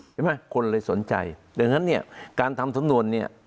ใช่ไหมคนเลยสนใจดังนั้นเนี่ยการทำสำนวนเนี่ย